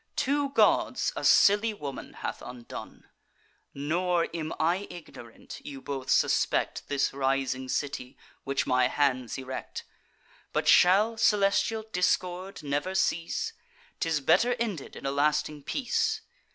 Two gods a silly woman have undone! Nor am I ignorant, you both suspect This rising city, which my hands erect: But shall celestial discord never cease? 'Tis better ended in a lasting peace.